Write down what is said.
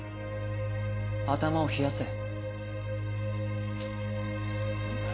頭を冷やせ。